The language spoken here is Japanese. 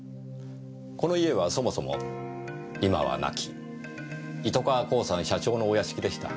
この家はそもそも今は亡き糸川興産社長のお屋敷でした。